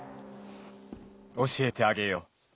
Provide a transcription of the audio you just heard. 教えてあげよう。